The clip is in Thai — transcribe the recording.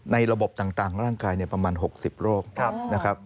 ระบบต่างร่างกายประมาณ๖๐โรคนะครับ